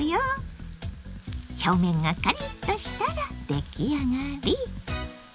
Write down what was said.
表面がカリッとしたら出来上がり。